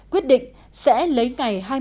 quyết định sẽ lấy ngày hai mươi tháng một mươi một